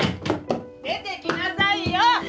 出てきなさいよ。